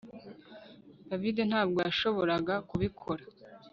David ntabwo yashoboraga kubikora